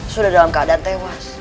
sudah dalam keadaan tewas